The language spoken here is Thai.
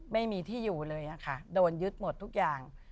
ไม่มีที่อยู่เลยค่ะโดนยึดหมดทุกอย่าง